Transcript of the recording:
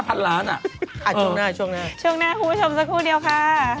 ช่วงหน้าคุณผู้ชมสักครู่เดียวค่ะ